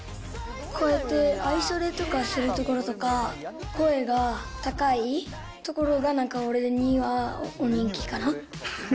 こうやってアイソレとかするとことか、声が高いところが、なんか俺には人気かな。